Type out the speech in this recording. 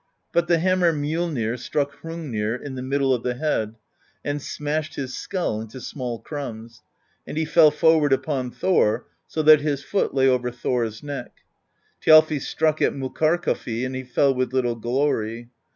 But the hammer Mjoll nir struck Hrungnir in the middle of the head, and smashed his skull into small crumbs, and he fell forward upon Thor, so that his foot lay over Thor's neck. Thjalfi struck at Mokkurkalfi, and he fell with little glory.